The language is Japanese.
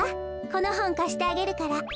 このほんかしてあげるから。